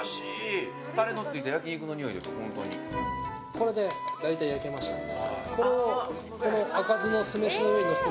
これで大体焼けましたので。